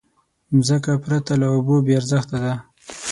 مځکه پرته له اوبو بېارزښته ده.